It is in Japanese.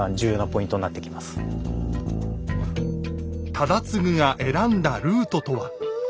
忠次が選んだルートとは？